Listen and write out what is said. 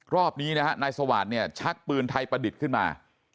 รอบนี้นะฮะนายสวาสตร์เนี่ยชักปืนไทยประดิษฐ์ขึ้นมา